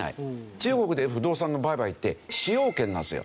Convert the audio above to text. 中国で不動産の売買って使用権なんですよ。